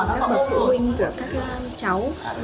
các bậc phụ huynh của các cháu